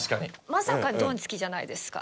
「まさかドンツキじゃないですか」